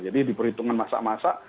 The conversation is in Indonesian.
jadi diperhitungan masak masak